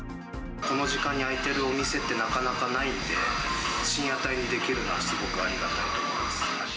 この時間に開いてるお店って、なかなかないんで、深夜帯にできるのは、すごくありがたいと思います。